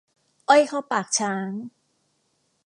อ้อยเข้าปากช้าง